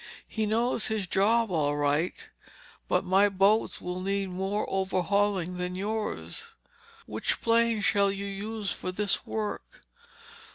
He knows his job all right, but my boats will need more overhauling than yours." "Which plane shall you use for this work?"